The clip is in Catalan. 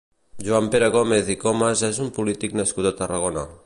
Joan Pere Gómez i Comes és un polític nascut a Tarragona.